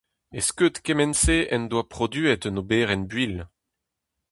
E-skeud kement-se en doa produet un oberenn builh.